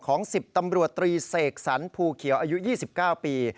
๑๐ตำรวจตรีเสกสรรภูเขียวอายุ๒๙ปี